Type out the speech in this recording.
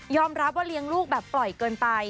รับว่าเลี้ยงลูกแบบปล่อยเกินไป